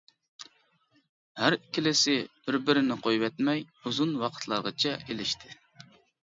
ھەر ئىككىلىسى بىر بىرىنى قويۇۋەتمەي ئۇزۇن ۋاقىتلارغىچە ئېلىشتى.